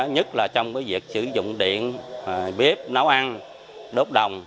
nhất là trong việc sử dụng điện bếp nấu ăn đốt đồng